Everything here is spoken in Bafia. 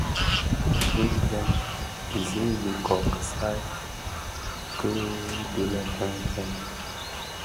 Bi dèn ziň bikö kisaï ki dhi lè fènfèn.